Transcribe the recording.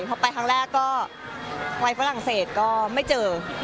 พอไปครั้งแรกก็วัยฝรั่งเศสก็ไม่เจอ